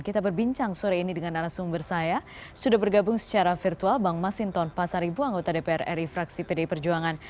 kita berbincang sore ini dengan arah sumber saya sudah bergabung secara virtual bang masinton pasaribu anggota dpr ri fraksi pdi perjuangan